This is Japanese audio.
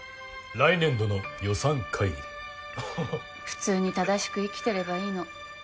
普通に正しく生きてればいいの。